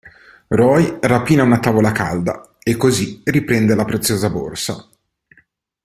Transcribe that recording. Roy rapina una tavola calda e così riprende la preziosa borsa.